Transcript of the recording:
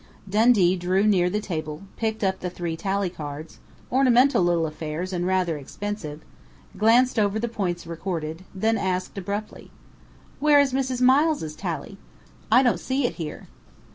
Dundee drew near the table, picked up the three tally cards ornamental little affairs, and rather expensive glanced over the points recorded, then asked abruptly: "Where is Mrs. Miles' tally? I don't see it here."